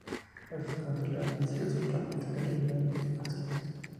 Así se comenzó el ambicioso plan de extender la línea hasta el oeste.